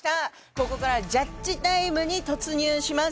ここからジャッジタイムに突入します。